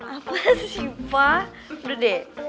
apa sih pak